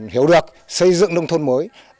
hiểu được xây dựng nông thôn mới